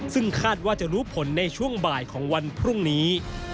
ซึ่งคาดว่าจะรู้ผลในช่วงบ่ายของวันพรุ่งนี้